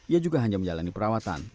ia juga hanya menjalani perawatan